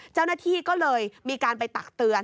เจ้าหน้าที่ก็เลยมีการไปตักเตือน